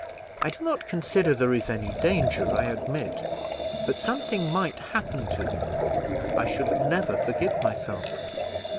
I do not consider there is any danger, I admit; but should any thing happen to them, I should never forgive myself.